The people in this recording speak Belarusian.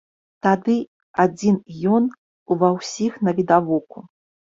Тады адзін ён ува ўсіх навідавоку.